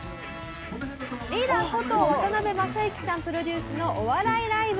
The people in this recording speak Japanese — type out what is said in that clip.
リーダーこと渡辺正行さんプロデュースのお笑いライブ。